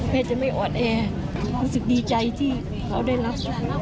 จะไม่อ่อนแอรู้สึกดีใจที่เขาได้รับ